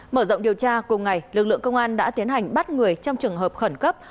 mở rộng điều tra cùng ngày lực lượng công an đã tiến hành bắt người trong trường hợp khẩn cấp